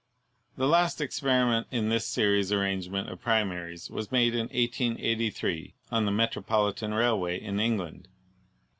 The last experiment with this series arrangement of primaries was made in 1883 on the Metropolitan Rail way in England.